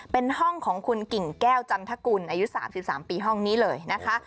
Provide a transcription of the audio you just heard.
เป็นห้องของคุณกิ่งแก้วจันทกุลอายุ๓๓ปีห้องนี้เลยนะคะ